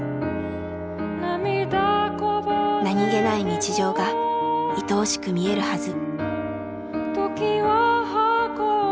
何気ない日常がいとおしく見えるはず。